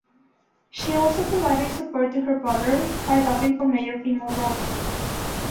She also provided support to her brother by dubbing for major female roles.